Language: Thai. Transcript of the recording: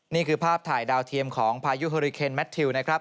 นี่คือภาพถ่ายดาวเทียมของพายุเฮอริเคนแมททิวนะครับ